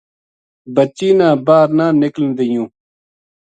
بچی نا باہر نہ نِکلن دیوں